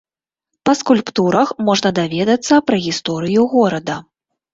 Па скульптурах можна даведацца пра гісторыю горада.